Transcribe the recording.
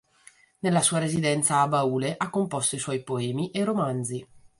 Nella sua residenza a Baule ha composto i suoi poemi e romanzi.